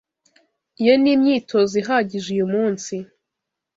Iyo ni imyitozo ihagije uyumunsi.